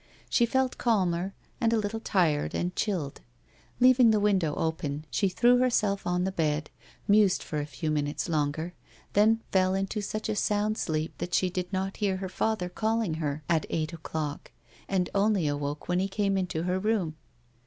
She felt calmer and a little tired and chilled. Leaving the window open, she threw herself on the bed, mused for a few minutes longer, than fell into such a sound sleep that she did not hear her father calling her at eight o'clock, and only awoke when he came into her room.